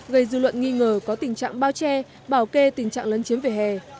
gây dư luận nghi ngờ có tình trạng bao che bảo kê tình trạng lấn chiếm vỉa hè